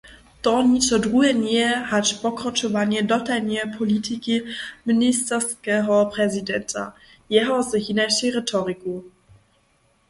To ničo druhe njeje hač pokročowanje dotalneje politiki ministerskeho prezidenta, jeno z hinašej retoriku.